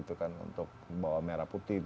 untuk bawa merah putih